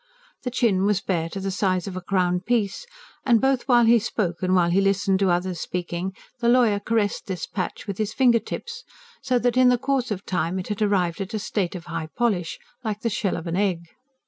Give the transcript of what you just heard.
The chin was bare to the size of a crown piece; and, both while he spoke and while he listened to others speaking, the lawyer caressed this patch with his finger tips; so that in the course of time it had arrived at a state of high polish like the shell of an egg.